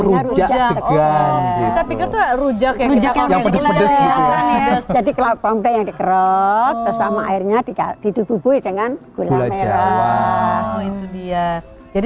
rujak tegang gitu jadi kelapa muda yang dikerok sama airnya dikasi bubuk dengan gula jawa jadi